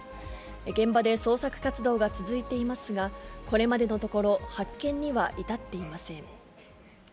現場で捜索活動が続いていますが、これまでのところ、発見には至っていません。